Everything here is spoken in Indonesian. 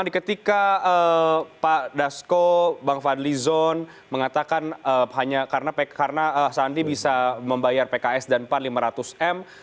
ketika pak dasko bang fadli zon mengatakan hanya karena sandi bisa membayar pks dan pan lima ratus m